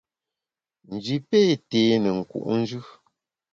Nji pé té ne nku’njù.